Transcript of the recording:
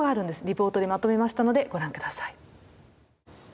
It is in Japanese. リポートでまとめましたのでご覧下さい。